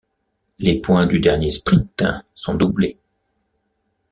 Les points du dernier sprint sont doublés.